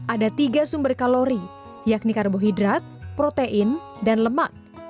ada tiga sumber kalori yakni karbohidrat protein dan lemak